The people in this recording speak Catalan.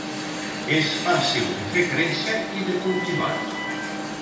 És fàcil de fer créixer i de cultivar.